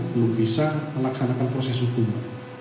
belum bisa melaksanakan proses hukum